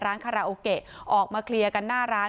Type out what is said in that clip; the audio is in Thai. คาราโอเกะออกมาเคลียร์กันหน้าร้าน